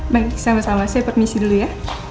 baik sama sama saya permisi dulu ya